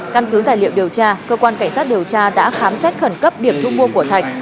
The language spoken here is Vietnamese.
căn cứ tài liệu điều tra cơ quan cảnh sát điều tra đã khám xét khẩn cấp điểm thu mua của thạch